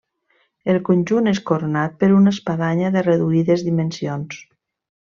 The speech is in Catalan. El conjunt és coronat per una espadanya de reduïdes dimensions.